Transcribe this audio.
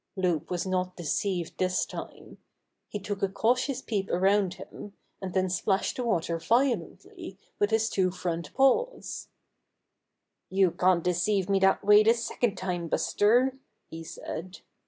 Loup was not deceived this time. He took a cautious peep around him, and then splashed the water violently with his two front paws. 28 Buster the Bear *^You can't deceive me that way the second time, Buster," he said.